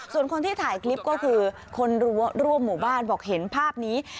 ส่วนคนที่ถ่ายคลิปก็คือคนร่วมหมู่บ้านบอกเห็นภาพนี้